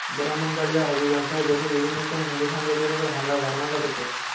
ব্রাহ্মণবাড়িয়া, হবিগঞ্জসহ দেশের বিভিন্ন স্থানে হিন্দু সম্প্রদায়ের ওপর হামলার ঘটনা ঘটেছে।